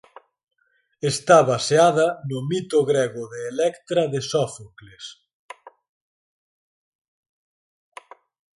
Está baseada no mito grego de Electra de Sófocles.